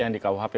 yang di rukhp